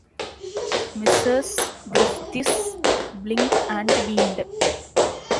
Mrs. Griffiths blinked and beamed.